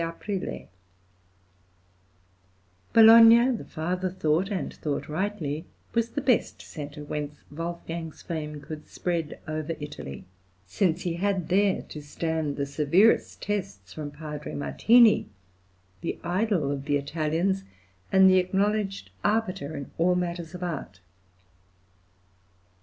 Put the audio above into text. Bologna, the father thought, and thought rightly, was the best centre whence Wolfgang's fame could spread over Italy, since he had there to stand the severest tests from Padre Martini, the idol of the Italians, and the acknowledged arbiter in all matters of art.